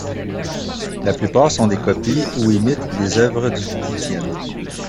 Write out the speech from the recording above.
La plupart sont des copies ou imitent des œuvres du Titien.